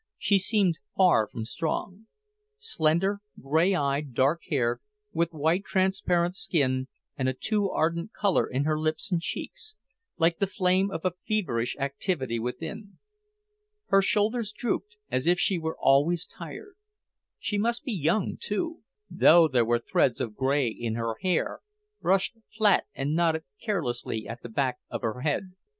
She seemed far from strong. Slender, grey eyed, dark haired, with white transparent skin and a too ardent colour in her lips and cheeks, like the flame of a feverish activity within. Her shoulders drooped, as if she were always tired. She must be young, too, though there were threads of grey in her hair, brushed flat and knotted carelessly at the back of her head.